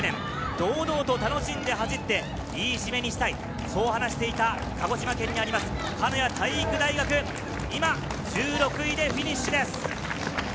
堂々と楽しんで走って、良い締めにしたい、そう話していた鹿児島県にある鹿屋体育大学、今、１６位でフィニッシュです。